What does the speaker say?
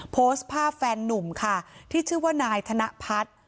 โพสต์ภาพแฟนนุ่มค่ะที่ชื่อว่านายธนพัฒน์